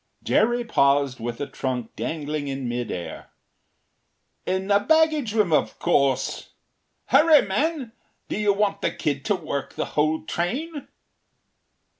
Jerry paused with a trunk dangling in mid air. “In the baggage room, of course. Hurry, man. Do you want the kid to work the whole train?